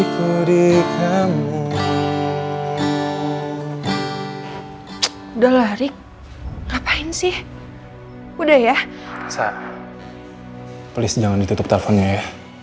please jangan ditutup teleponnya ya